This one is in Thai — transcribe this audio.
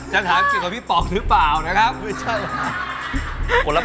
จะถามจิตกับพี่ป๋องหรือเปล่าครับ